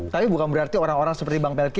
tapi bukan berarti orang orang seperti bang pelki